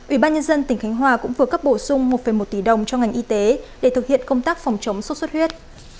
ubnd tỉnh khánh hoa cũng vừa cấp bổ sung một một tỷ đồng cho ngành y tế để thực hiện công tác phòng chống sốt xuất huyết